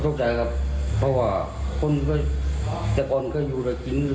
ตกใจครับเพราะว่าคนก็อยู่แล้วจริงอยู่กัน